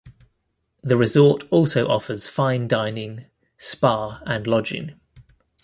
The resort also offers fine dining, spa, and lodging.